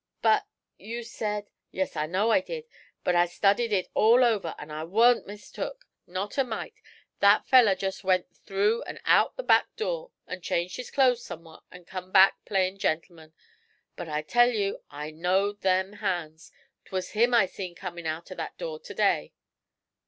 'But you said ' 'Yes, I know I did; but I studied it all over, an' I wa'n't mistook, not a mite! That feller jest went through an' out the back door, and changed his clo's somewhar, an' came back playin' gentleman. But, I tell ye, I knowed them hands! 'Twas him I seen come out of that door to day.'